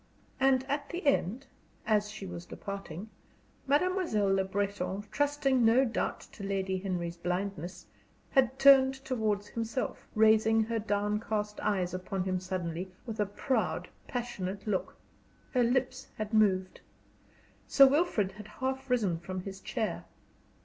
And at the end, as she was departing, Mademoiselle Le Breton, trusting no doubt to Lady Henry's blindness, had turned towards himself, raising her downcast eyes upon him suddenly, with a proud, passionate look. Her lips had moved; Sir Wilfrid had half risen from his chair.